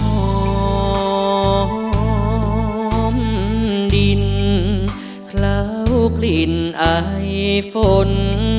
หอมดินเคล้ากลิ่นอายฝน